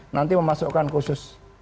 nanti memasukkan khusus